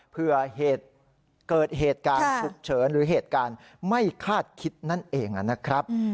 เพื่อเกิดเหตุการณ์ฉุกเฉินหรือเหตุการณ์ไม่คาดคิดนั่นเองนะครับ